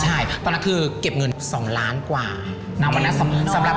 ใช่ตอนนั้นคือเก็บเงิน๒ล้านกว่า